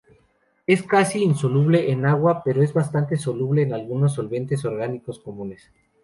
Es casi insoluble en agua, pero es bastante soluble en algunos solventes orgánicos comunes.